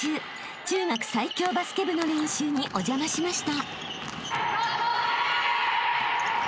［中学最強バスケ部の練習にお邪魔しました］